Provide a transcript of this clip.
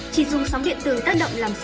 chỉ dùng sóng điện tử tác động làm sòi